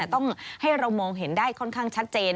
ต้องให้เรามองเห็นได้ค่อนข้างชัดเจน